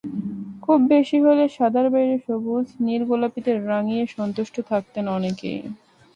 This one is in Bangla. খুব বেশি হলে সাদার বাইরে সবুজ, নীল, গোলাপিতে রাঙিয়ে সন্তুষ্ট থাকতেন অনেকেই।